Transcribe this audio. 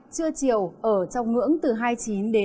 chưa chiều ở trong ngưỡng từ hai mươi chín đến ba mươi hai độ